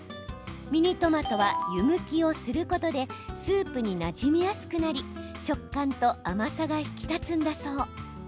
ミニトマトは湯むきをすることでスープになじみやすくなり食感と甘さが引き立つんだそう。